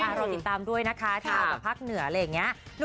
เราติดตามด้วยนะคะแถวกับภาคเหนืออะไรอย่างนี้